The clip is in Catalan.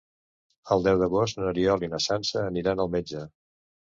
El deu d'agost n'Oriol i na Sança aniran al metge.